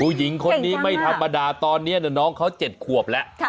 หญิงคนนี้ไม่ธรรมดาตอนนี้น้องเขา๗ขวบแล้ว